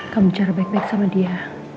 kamu bicara baik baik sama dia